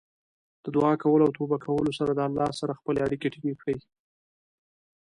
د دعا کولو او توبه کولو سره د الله سره خپلې اړیکې ټینګې کړئ.